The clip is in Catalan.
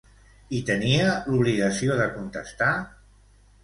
I tenia l'obligació de contestar?